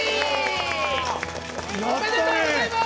おめでとうございます！